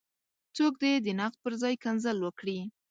څوک دې د نقد پر ځای کنځل وکړي.